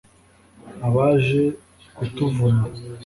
Abaje kutuvuna